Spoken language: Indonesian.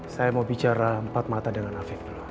saya mau bicara empat mata dengan afek dulu